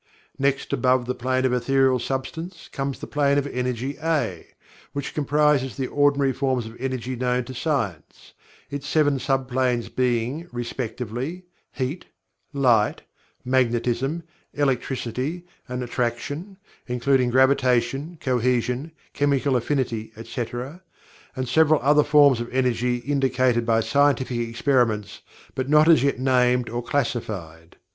Next above the Plane of Ethereal Substance comes the Plane of Energy (A), which comprises the ordinary forms of Energy known to science, its seven sub planes being, respectively, Heat; Light; Magnetism; Electricity, and Attraction (including Gravitation, Cohesion, Chemical Affinity, etc.) and several other forms of energy indicated by scientific experiments but not as yet named or classified.